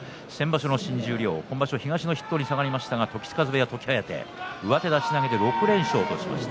先場所の新十両、今場所は東の筆頭となりましたが時疾風上手出し投げで６連勝としました。